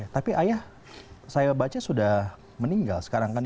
tapi ayah saya baca sudah meninggal sekarang kan